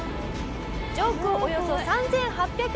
「上空およそ３８００メートル」